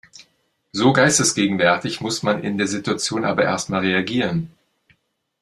So geistesgegenwärtig muss man in der Situation aber erst mal reagieren.